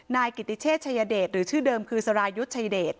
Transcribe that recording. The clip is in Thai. นายกิติเชษชายเดชหรือชื่อเดิมคือสรายุทธ์ชายเดช